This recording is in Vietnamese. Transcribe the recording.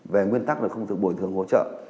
về nguyên tắc là không được bồi thường hỗ trợ